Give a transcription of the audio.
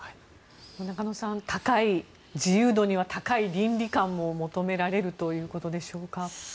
中野さん、高い自由度には高い倫理観を求められるということでしょうか。